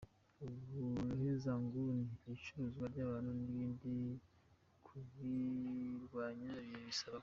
ubuhezanguni, icuruzwa ry’abantu n’ibindi, kubirwanya bisaba ko